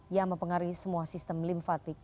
yang mempengaruhi semua sistem lympfatik